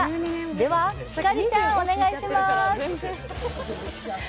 では、ひかりちゃんお願いします。